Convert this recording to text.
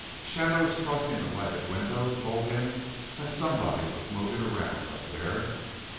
Shadows crossing the lighted window told him that somebody was moving around up there.